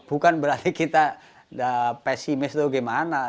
bukan berarti kita pesimis atau gimana